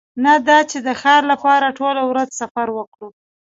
نه دا چې د ښار لپاره ټوله ورځ سفر وکړو